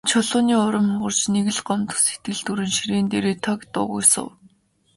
Чулууны урам хугарч, нэг л гомдох сэтгэл төрөн ширээн дээрээ таг дуугүй суув.